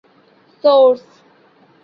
Source.